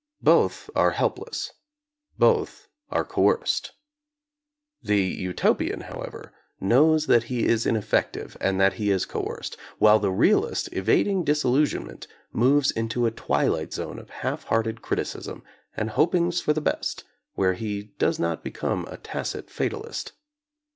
Both are helpless, both are coerced. The Utopian, however, knows that he is ineffective and that he is coerced, while the realist, evading disillusionment, moves in a twilight zone of half hearted criticism, and hopings for the best, where he does not become a tacit fatalist.